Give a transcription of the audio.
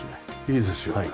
いいですよね。